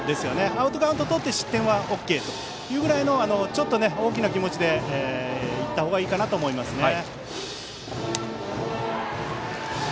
アウトカウントをとって失点はＯＫぐらいのちょっと大きな気持ちでいったほうがいいかなと思いますね。